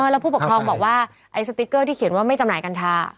แล้วผู้ปกครองบอกว่าไอ้สติ๊กเกอร์ที่เขียนว่าไม่จำหน่ากัญชา